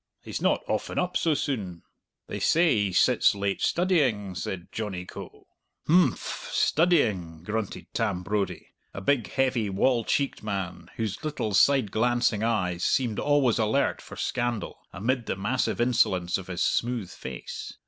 He's not often up so soon." "They say he sits late studying," said Johnny Coe. "H'mph, studying!" grunted Tam Brodie, a big, heavy, wall cheeked man, whose little, side glancing eyes seemed always alert for scandal amid the massive insolence of his smooth face.